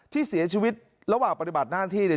ที่เสียชีวิตระหว่างปฏิบัติหน้าที่เนี่ย